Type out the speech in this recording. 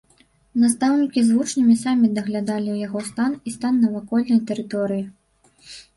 Настаўнікі з вучнямі самі даглядалі яго стан і стан навакольнай тэрыторыі.